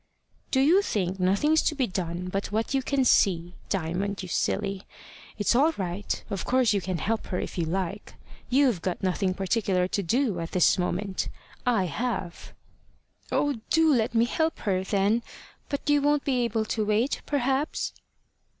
"Do you think nothing's to be done but what you can see, Diamond, you silly! It's all right. Of course you can help her if you like. You've got nothing particular to do at this moment; I have." "Oh! do let me help her, then. But you won't be able to wait, perhaps?"